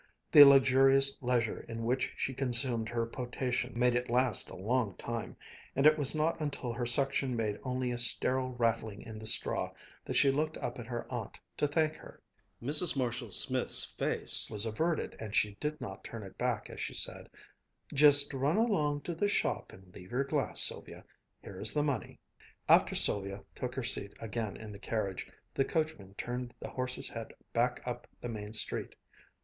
The luxurious leisure in which she consumed her potation made it last a long time, and it was not until her suction made only a sterile rattling in the straw that she looked up at her aunt to thank her. Mrs. Marshall Smith's face was averted and she did not turn it back as she said, "Just run along into the shop and leave your glass, Sylvia here is the money." After Sylvia took her seat again in the carriage, the coachman turned the horse's head back up the Main Street.